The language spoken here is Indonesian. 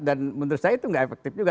dan menurut saya itu gak efektif juga